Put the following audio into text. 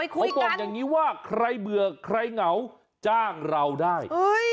เขาบอกอย่างนี้ว่าใครเบื่อใครเหงาจ้างเราได้